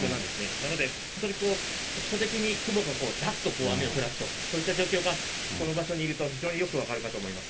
なので、本当にこう、局所的に雲がだっと雨を降らすと、そういった状況が、この場所にいると非常によく分かるかと思います。